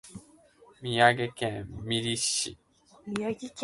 宮城県美里町